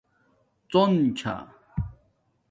ڎن چھا